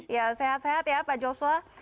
ya sehat sehat ya pak joshua